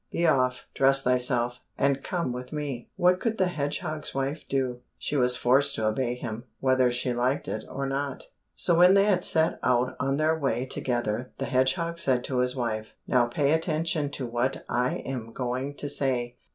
Be off, dress thyself, and come with me." What could the hedgehog's wife do? She was forced to obey him, whether she liked it or not. So when they had set out on their way together, the hedgehog said to his wife, "Now pay attention to what I am going to say.